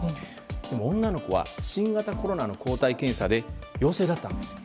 でも女の子は新型コロナの抗体検査で陽性だったんです。